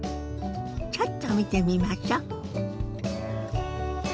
ちょっと見てみましょ。